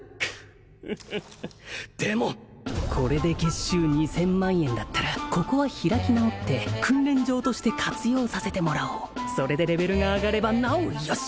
フフフでもこれで月収２０００万円だったらここは開き直って訓練場として活用させてもらおうそれでレベルが上がればなおよし！